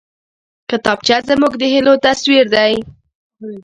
کتابچه زموږ د هيلو تصویر دی